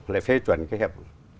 phải phê chuẩn cái hợp